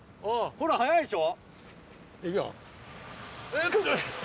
ほら速いでしょ。